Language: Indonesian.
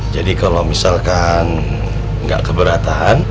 jadi kalau misalkan gak keberatan